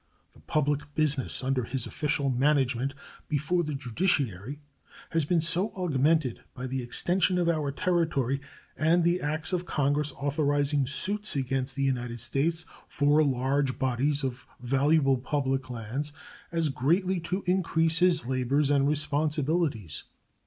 The public business under his official management before the judiciary has been so augmented by the extension of our territory and the acts of Congress authorizing suits against the United States for large bodies of valuable public lands as greatly to increase his labors and responsibilities.